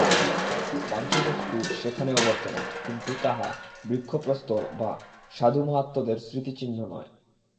বাহ্যবস্তু সেখানেও বর্তমান, কিন্তু তাহা বৃক্ষ প্রস্তর বা সাধু-মহাত্মাদের স্মৃতিচিহ্ন নয়।